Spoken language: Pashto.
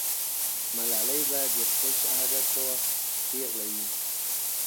ملالۍ به د خپل شهادت په وخت پېغله وي.